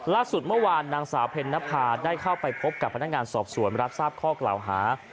ล่าสุดเมื่อวานนางสาวเพ็ญนภาได้เข้าไปพบกับพนักงานสอบสวนรับทราบข้อกล่าวหา